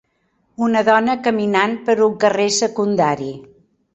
Una dona caminant per un carrer secundari